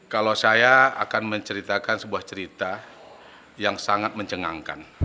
kalau saya akan menceritakan sebuah cerita yang sangat mencengangkan